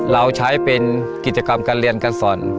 เราใช้เป็นกิจกรรมการเรียนการสอน